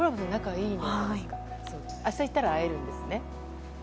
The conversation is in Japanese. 明日行ったら会えるんですね。